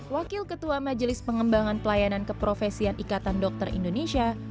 wakil ketua majelis pengembangan pelayanan keprofesian ikatan dokter indonesia